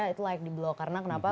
itu layak diblok karena kenapa